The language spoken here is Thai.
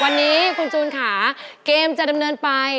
วันนี้คุณจูนค่ะเกมจะดำเนินไป